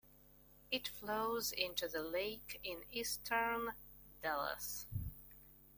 It flows into the lake in eastern Duluth.